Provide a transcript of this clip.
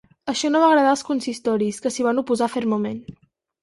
Això no va agradar als consistoris, que s’hi van oposar fermament.